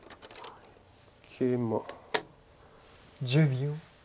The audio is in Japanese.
１０秒。